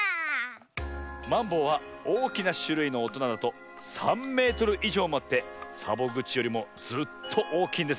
マンボウはおおきなしゅるいのおとなだと３メートルいじょうもあってサボぐちよりもずっとおおきいんですねえ。